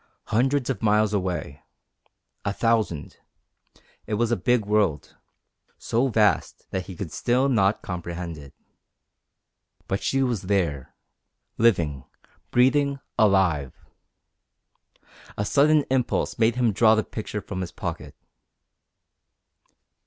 Hundreds of miles away. A thousand. It was a big world, so vast that he still could not comprehend it. But she was there, living, breathing, alive! A sudden impulse made him draw the picture from his pocket.